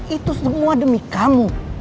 itu semua demi kamu